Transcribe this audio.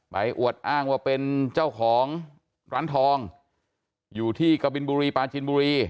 อวดอ้างว่าเป็นเจ้าของร้านทองอยู่ที่กะบินบุรีปาจินบุรี